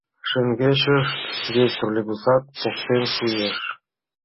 Шеҥгечышт вес троллейбусат поктен шуэш.